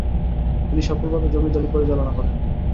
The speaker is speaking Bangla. তিনি সফলভাবে জমিদারি পরিচালনা করেন।